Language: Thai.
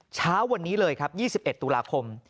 เช้าวันนี้เลยครับ๒๑ตุลาคม